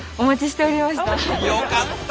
よかった。